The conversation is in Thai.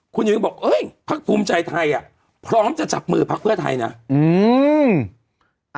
คุณหญิงบอกเอ้ยพักภูมิใจไทยอ่ะพร้อมจะจับมือพักเพื่อไทยนะอืม